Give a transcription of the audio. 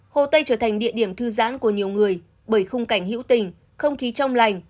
hồ tây trở thành địa điểm thư giãn của nhiều người bởi khung cảnh hữu tình không khí trong lành